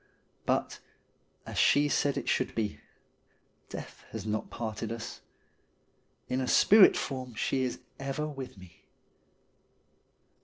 But, as she said it should be, death has not parted us. In a spirit form she is ever with me.